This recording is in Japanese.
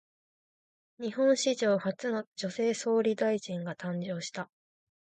日本史上初の女性総理大臣が誕生した。